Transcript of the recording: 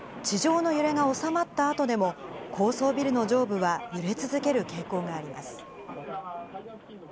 地上の揺れが収まったあとでも、高層ビルの上部は揺れ続ける傾向があります。